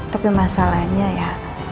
tapi masalahnya ya